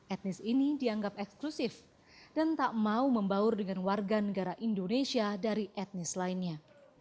etnis ini dianggap eksklusif dan tak mau membaur dengan warga negara indonesia dari etnis lainnya